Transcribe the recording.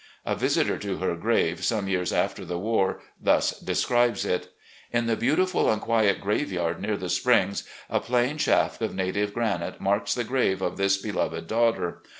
A visitor to her grave, some years after the war, thus describes it: " In the beautiful and quiet graveyard near the Springs, a plain shaft of native granite marks the grave of this beloved daughter.